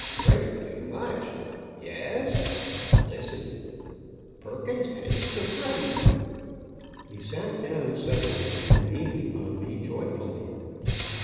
Freight too much. Yes? Listen 'Perkins Pays the Freight!'" He sat down suddenly, and beamed upon me joyfully.